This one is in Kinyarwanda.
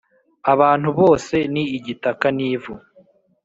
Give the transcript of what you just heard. abantu, bose ni igitaka n’ivu